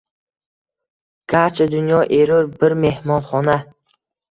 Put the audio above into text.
Garchi dunyo erur bir mehmonhona